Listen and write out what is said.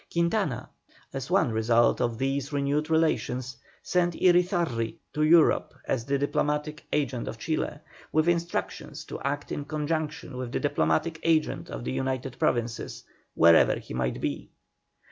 Quintana, as one result of these renewed relations, sent Irizarri to Europe as the diplomatic agent of Chile, with instructions to act in conjunction with the diplomatic agent of the United Provinces, wherever he might be.